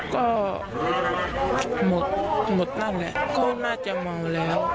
ก็หมดนั่นแหละก็น่าจะเมาแล้ว